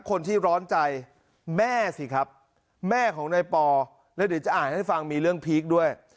คนที่ร้อนใจแม่สิครับแม่ของนายปอแล้วเดี๋ยวจะอ่านให้ฟังมีเรื่องพีคด้วย